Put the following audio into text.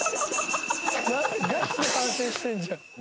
「ガチで反省してるじゃん」